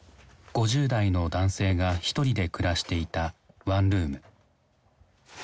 ５０代の男性がひとりで暮らしていたワンルーム。